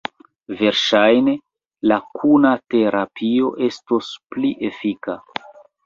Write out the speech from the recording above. Verŝajne, la kuna terapio estos pli efika.